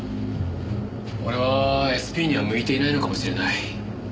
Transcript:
俺はＳＰには向いていないのかもしれない。